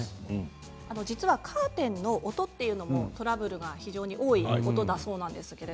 実はカーテンの音もトラブルが非常に多いそうです。